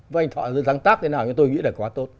với anh thọ ráng tác thế nào thì tôi nghĩ là quá tốt